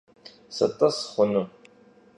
Sıt'ıs xhunu?